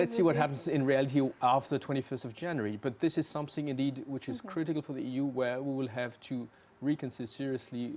tapi kita tidak bisa mengambil alasan apa apa yang diperlukan saat ini